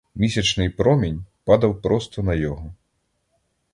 Місячний промінь падав просто на його.